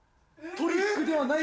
トリックではない？